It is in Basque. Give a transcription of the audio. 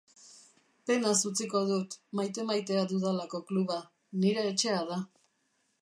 Penaz utziko dut maite-maitea dudalako kluba, nire etxea da.